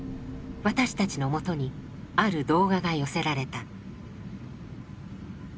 私たちのもとにある動画が寄せられた。